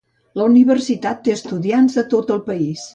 La universitat té estudiants de tot el país.